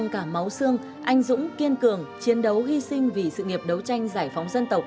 cả máu xương anh dũng kiên cường chiến đấu hy sinh vì sự nghiệp đấu tranh giải phóng dân tộc